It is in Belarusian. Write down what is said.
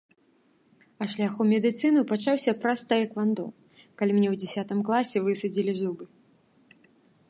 А шлях у медыцыну пачаўся праз таэквандо, калі мне ў дзясятым класе высадзілі зубы.